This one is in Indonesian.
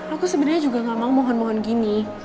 aku sebenarnya juga gak mau mohon mohon gini